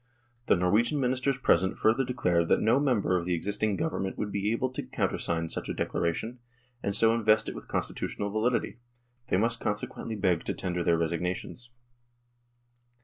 The Norwegian Ministers present further declared that no member of the existing Government would be able to countersign such a declaration, and so invest it with constitutional validity. They must consequently beg to tender their resignations.